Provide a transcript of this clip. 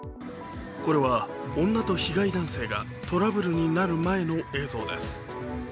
これは女と被害男性がトラブルになる前の映像です。